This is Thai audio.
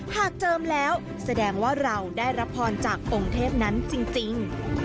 เจิมแล้วแสดงว่าเราได้รับพรจากองค์เทพนั้นจริง